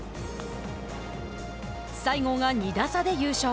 西郷が２打差で優勝。